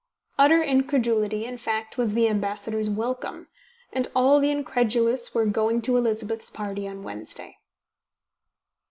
Utter incredulity, in fact, was the ambassador's welcome ... and all the incredulous were going to Elizabeth's party on Wednesday.